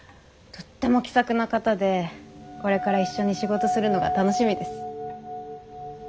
とっても気さくな方でこれから一緒に仕事するのが楽しみです。